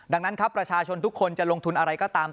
ดังนั้นครับประชาชนทุกคนจะลงทุนอะไรก็ตาม